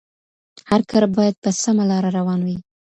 هر کار بايد په سمه لاره روان وي.